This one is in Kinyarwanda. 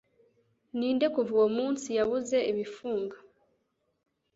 ninde kuva uwo munsi yabuze ibifunga